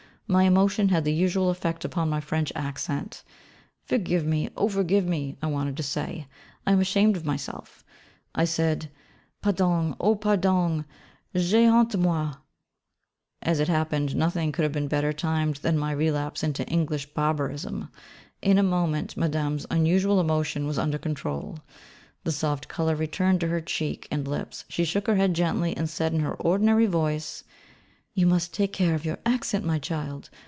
My emotion had the usual effect upon my French accent. 'Forgive me, oh forgive me,' I wanted to say, 'I am ashamed of myself.' I said, 'Pardong, O pardong, j'ai honte de moi.' As it happened, nothing could have been better timed than my relapse into English barbarism. In a moment Madame's unusual emotion was under control: the soft colour returned to her cheek and lips, she shook her head gently, and said in her ordinary voice 'You must take care of your accent, my child.